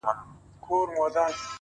دا درې جامونـه پـه واوښـتـل-